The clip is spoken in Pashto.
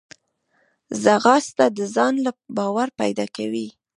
ځغاسته د ځان باور پیدا کوي